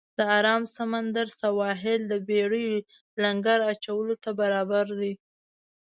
د آرام سمندر سواحل د بېړیو لنګر اچولو ته برابر نه دی.